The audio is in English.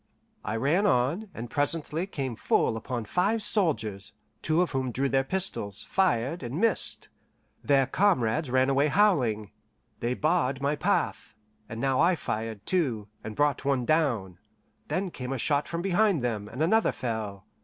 I ran on, and presently came full upon five soldiers, two of whom drew their pistols, fired, and missed. Their comrades ran away howling. They barred my path, and now I fired, too, and brought one down; then came a shot from behind them, and another fell.